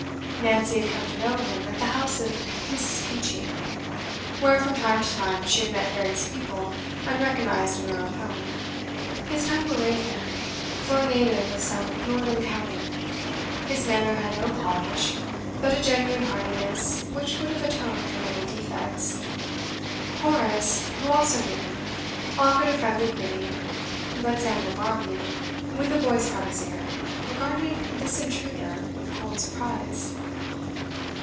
Nancy had come to know him at the house of Mrs. Peachey, where from time to time she had met various people unrecognised in her own home. His tongue bewrayed him for a native of some northern county; his manner had no polish, but a genuine heartiness which would have atoned for many defects. Horace, who also knew him, offered a friendly greeting; but Samuel Barmby, when the voice caught his ear, regarded this intruder with cold surprise.